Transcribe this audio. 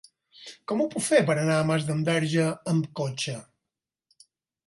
Com ho puc fer per anar a Masdenverge amb cotxe?